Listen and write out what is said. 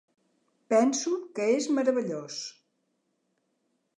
Penso que és meravellós.